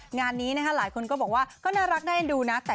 งานนี้หลายคนก็บอกว่าก็น่ารักได้ดูนะ